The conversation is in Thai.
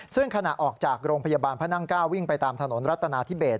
ซึ่งขณะออกจากโรงพยาบาลพระนั่ง๙วิ่งไปตามถนนรัฐนาธิเบส